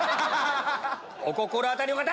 お心当たりの方！